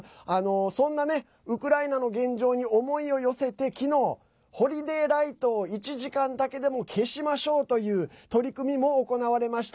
そんなね、ウクライナの現状に思いを寄せて昨日、ホリデーライトを１時間だけでも消しましょうという取り組みも行われました。